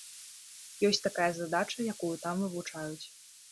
Ёсць такая задача, якую там вывучаюць.